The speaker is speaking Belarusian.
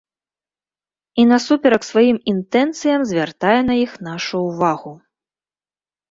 І насуперак сваім інтэнцыям звяртае на іх нашу ўвагу.